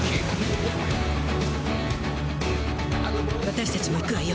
私たちも行くわよ